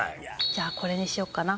じゃあこれにしようかな。